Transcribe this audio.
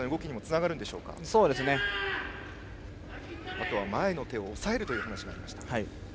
あとは、前の手を押さえるという話もありました。